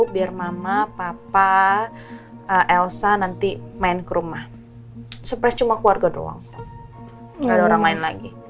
biar mama papa elsa nanti main ke rumah suprise cuma keluarga doang gak ada orang lain lagi